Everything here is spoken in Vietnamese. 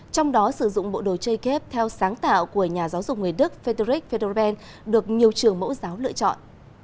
trong đó sử dụng bộ đồ chơi kép theo sáng tạo của nhà giáo dục người đức fretrick fridoben được nhiều trường mẫu giáo lựa chọn